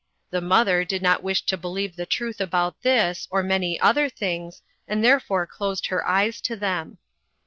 The mother did not wish to believe the truth about this, or many other things, and therefore closed her eyes to them.